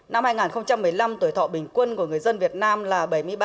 năm hai nghìn một mươi năm tuổi thọ bình quân của người dân việt nam là bảy mươi ba